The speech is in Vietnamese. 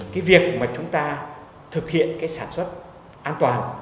cái việc mà chúng ta thực hiện cái sản xuất an toàn